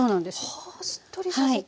はあしっとりさせて。